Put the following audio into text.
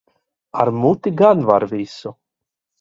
Ar muti gan var visu.